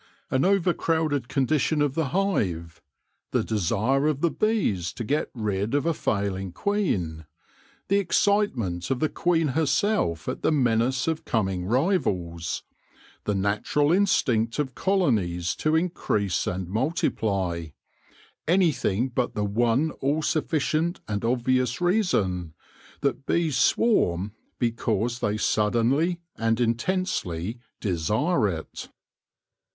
An overcrowded condition of the hive ; the desire of the bees to get rid of a failing queen ; the excite ment of the queen herself at the menace of coming rivals ; the natural instinct of colonies to increase and multiply — anything but the one all sufficient and obvious reason, that bees swarm because they suddenly and intensely desire it.